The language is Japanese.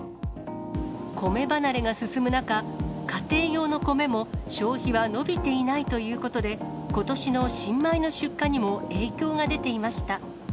米離れが進む中、家庭用の米も消費は伸びていないということで、ことしの新米の出荷にも影響が出ていました。